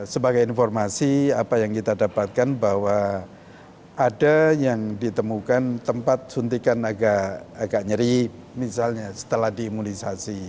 sebagai informasi apa yang kita dapatkan bahwa ada yang ditemukan tempat suntikan agak nyeri misalnya setelah diimunisasi